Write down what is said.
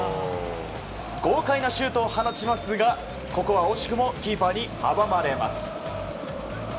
豪快なシュートを放ちますがここは惜しくもキーパーに阻まれます。